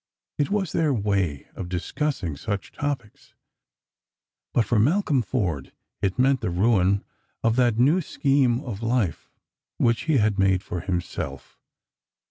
It was their way of discussing such topics. But for Malcolm Forde it meant the ruin of that new scheme of life which he had made for himself.